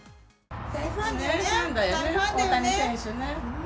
大ファンだよね、大谷選手ね。